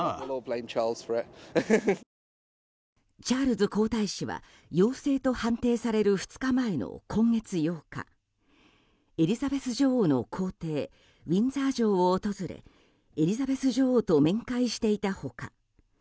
チャールズ皇太子は陽性と判定される２日前の今月８日、エリザベス女王の公邸ウィンザー城を訪れエリザベス女王と面会していた他